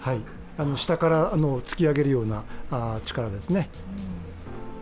下から突き上げるような力ですね。